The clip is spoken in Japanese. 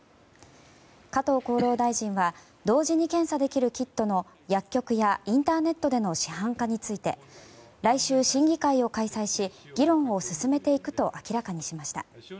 加藤厚労大臣は同時に検査できるキットの薬局やインターネットでの市販化について来週、審議会を開催し議論を進めていくと明らかにしました。